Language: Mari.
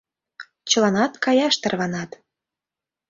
Чыланат каяш тарванат.